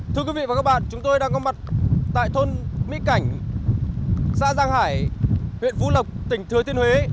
thưa quý vị và các bạn chúng tôi đang có mặt tại thôn mỹ cảnh xã giang hải huyện phú lộc tỉnh thừa thiên huế